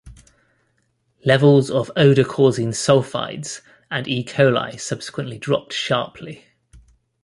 Levels of odour-causing sulphides and E. coli subsequently dropped sharply.